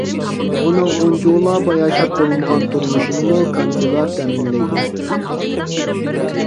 ئۇنىڭ ئۇنچىۋالا باياشات بولمىغان تۇرمۇشىنىمۇ كانچىلار تەمىنلەيتتى.